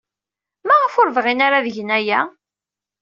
Maɣef ur bɣin ara ad gen aya?